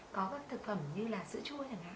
có các thực phẩm như là sữa chua